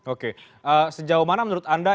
oke sejauh mana menurut anda